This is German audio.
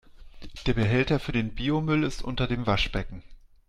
Der Behälter für den Biomüll ist unter dem Waschbecken.